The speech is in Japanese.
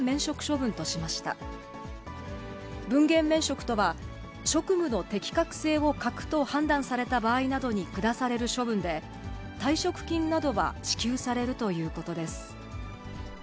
分限免職とは、職務の適格性を欠くと判断された場合などに下される処分で、退職金などは支給されるということです。